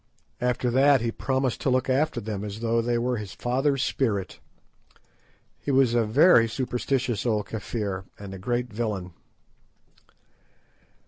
After that he promised to look after them as though they were his father's spirit. He was a very superstitious old Kafir and a great villain.